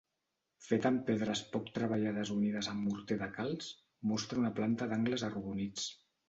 Feta amb pedres poc treballades unides amb morter de calç, mostra una planta d'angles arrodonits.